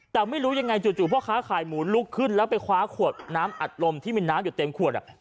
แต่ไม่รู้ยังไงจู่พ่อค้าขายหมูลุกขึ้นแล้วไปคว้าขวดน้ำอัดลมที่มีน้ำอยู่เต็มขวด